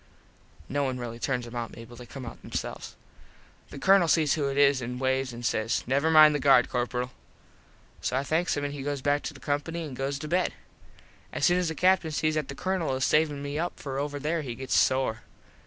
(No one really turns em out, Mable. They come out themselves.) The Colonel sees who it is an waves an says "Never mind the guard, Corperal." So I thanks him an goes back to the company an goes to bed. As soon as the Captin sees that the Colonel is savin me up for over there he gets sore.